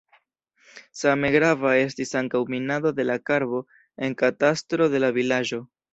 Same grava estis ankaŭ minado de la karbo en katastro de la vilaĝo.